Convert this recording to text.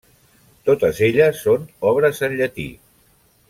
Totes elles són obres en llatí.